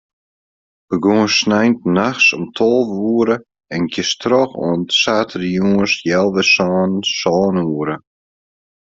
Begûnst sneintenachts om tolve oere en giest troch oant saterdeitejûns healwei sânen, sân oere.